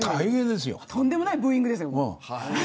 とんでもないブーイングです。